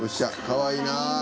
かわいいな。